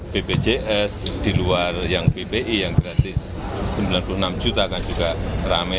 b b j s di luar yang b b i yang gratis sembilan puluh enam juta kan juga rame